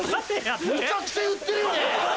むちゃくちゃ言ってるよね？